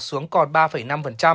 xuống còn ba năm